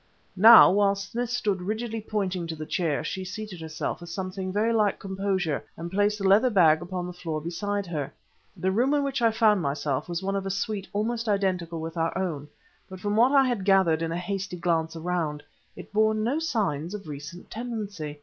Now, whilst Smith stood rigidly pointing to the chair, she seated herself with something very like composure and placed the leather bag upon the floor beside her. The room in which I found myself was one of a suite almost identical with our own, but from what I had gathered in a hasty glance around, it bore no signs of recent tenancy.